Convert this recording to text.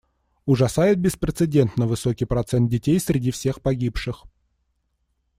Ужасает беспрецедентно высокий процент детей среди всех погибших.